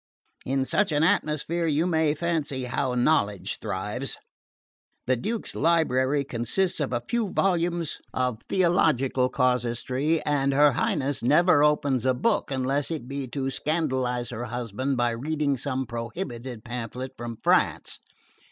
In such an atmosphere you may fancy how knowledge thrives. The Duke's library consists of a few volumes of theological casuistry, and her Highness never opens a book unless it be to scandalise her husband by reading some prohibited pamphlet from France.